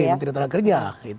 ya menteri menteri terang kerja